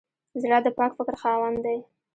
زړه د پاک فکر خاوند دی.